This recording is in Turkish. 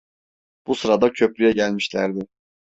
Bu sırada Köprü’ye gelmişlerdi.